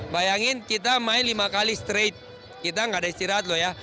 bayangin kita main lima kali straight kita gak ada istirahat loh ya